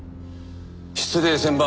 失礼千万。